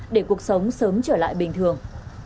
để cuộc sống sớm trở lại bình thường